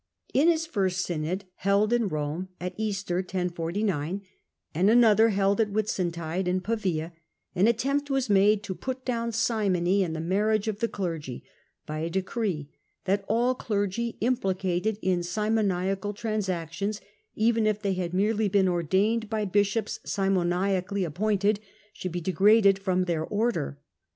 In his first synod, held in Rome at Easter, and nother held at Whitsuntide in Pavia, an attempt was made to put down simony and the marriage Rome, of the clergy by a decree that, all clergy implicated in simoniacal transactions, even if they had merely been ordained by bishops simoniacally \ appointed, should be degraded from their order.